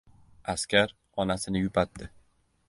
Askar onasini yupatdi: